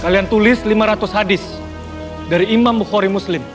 kalian tulis lima ratus hadis dari imam mukhori muslim